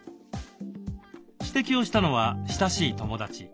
指摘をしたのは親しい友達。